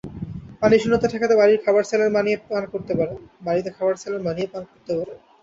পানিশূন্যতা ঠেকাতে বাড়িতে খাবার স্যালাইন বানিয়ে পান করতে পারেন।